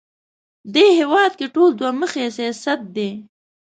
دې هېواد کې ټول دوه مخی سیاست دی